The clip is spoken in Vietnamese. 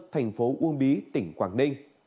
thành phố uông bí tỉnh quảng ninh